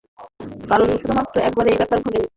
কারণ শুধুমাত্র একবার এই ব্যাপার ঘটেনি।